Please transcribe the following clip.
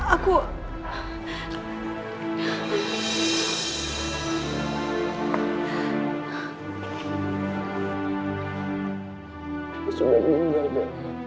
aku sudah meninggal ma